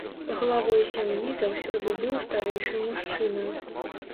Главой сям'і заўсёды быў старэйшы мужчына.